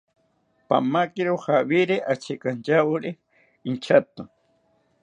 Pamakiro jawiri achekantyawori inchato